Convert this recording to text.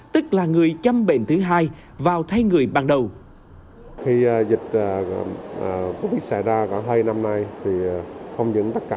tức là người nhà phòng chống dịch